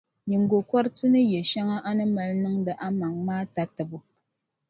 Nyiŋgokɔriti ni yɛʼ shɛŋa a ni mali niŋdi a maŋa maa tatabo.